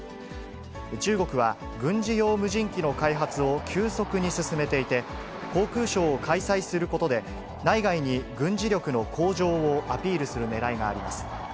中国は、軍事用無人機の開発を急速に進めていて、航空ショーを開催することで内外に軍事力の向上をアピールするねらいがあります。